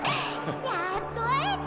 やっと会えた！